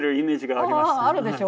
あるでしょう？